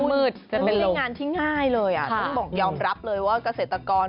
ไม่ได้งานที่ง่ายเลยต้องยอมรับเลยว่าเกษตรกร